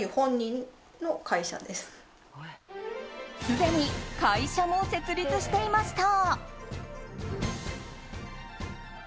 すでに会社も設立していました。